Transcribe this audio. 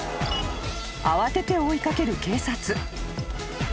［慌てて追い掛ける警察］